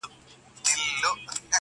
زه خو د وخت د بـلاگـانـــو اشـنا,